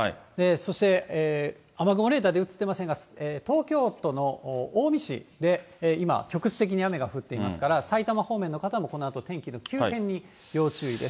そして、雨雲レーダーで映ってませんが、東京都の青梅市で今、局地的に雨が降っていますから、埼玉方面の方もこのあと天気の急変に要注意です。